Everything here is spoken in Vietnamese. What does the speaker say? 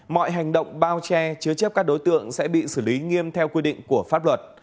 mọi hành động bao che chứa chấp các đối tượng sẽ bị xử lý nghiêm theo quy định của pháp luật